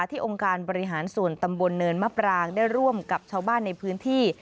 องค์การบริหารส่วนตำบลเนินมะปรางได้ร่วมกับชาวบ้านในพื้นที่